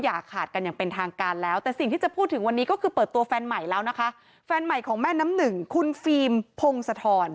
อย่าขาดกันอย่างเป็นทางการแล้วแต่สิ่งที่จะพูดถึงวันนี้ก็คือเปิดตัวแฟนใหม่แล้วนะคะแฟนใหม่ของแม่น้ำหนึ่งคุณฟิล์มพงศธร